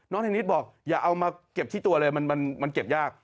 เทนนิสบอกอย่าเอามาเก็บที่ตัวเลยมันเก็บยาก